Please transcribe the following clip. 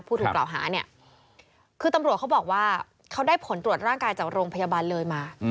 ผู้ถูกกล่าวหาเนี่ยคือตำรวจเขาบอกว่าเขาได้ผลตรวจร่างกายจากโรงพยาบาลเลยมา